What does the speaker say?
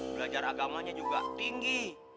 belajar agamanya juga tinggi